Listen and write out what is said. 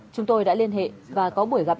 chúng tôi đã liên hệ và có buổi gặp